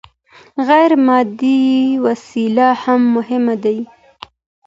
غير مادي وسايل هم مهم دي.